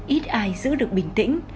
ít ai giữ được bình tĩnh